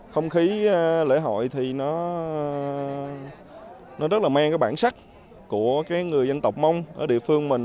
không khí lễ hội thì nó rất là men cái bản sắc của cái người dân tộc mông ở địa phương mình